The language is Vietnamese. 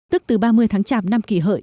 tức từ ba mươi tháng chạp năm kỷ hợi